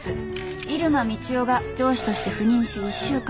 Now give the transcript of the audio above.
入間みちおが上司として赴任し１週間］